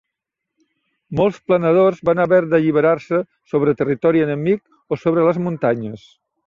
Molts planadors van haver d'alliberar-se sobre territori enemic o sobre les muntanyes.